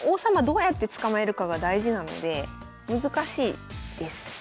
どうやって捕まえるかが大事なので難しいです。